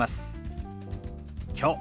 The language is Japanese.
「きょう」。